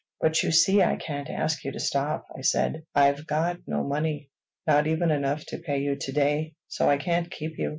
"But you see I can't ask you to stop," I said. "I've got no money, not even enough to pay you to day; so I can't keep you."